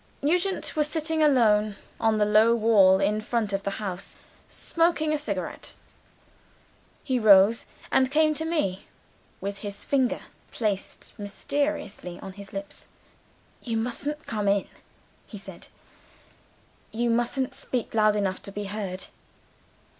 Nugent was sitting alone on the low wall in front of the house, smoking a cigar. He rose and came to meet me, with his finger placed mysteriously on his lips. "You mustn't come in," he said; "you mustn't speak loud enough to be heard."